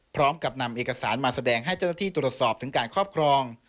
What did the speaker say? พร้อมกับนำเอกสารมาแสดงให้เจ้าหน้าที่ตรวจสอบถึงการครอบครอง